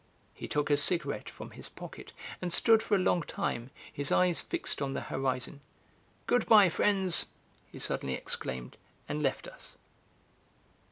He took a cigarette from his pocket and stood for a long time, his eyes fixed on the horizon. "Goodbye, friends!" he suddenly exclaimed, and left us.